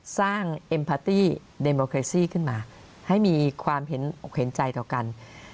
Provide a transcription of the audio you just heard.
เอ็มพาร์ตี้เดโมเครซี่ขึ้นมาให้มีความเห็นอกเห็นใจต่อกัน